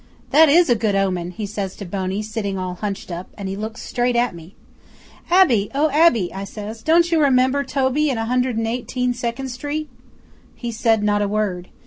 '"That is a good omen!" he says to Boney sitting all hunched up; and he looks straight at me. '"Abbe oh, Abbe!" I says. "Don't you remember Toby and Hundred and Eighteen Second Street?" 'He said not a word.